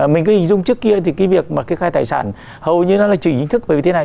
mình cứ hình dung trước kia thì cái việc mà kê khai tài sản hầu như nó là chỉ chính thức bởi vì thế này